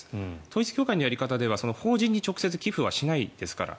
統一教会のやり方では法人に直接寄付しないですから。